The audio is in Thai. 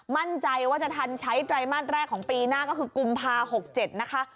มั่นใจว่าจะทันใช้ไตรมาสแรกของปีหน้าก็คือกุมภา๖๗นะคะ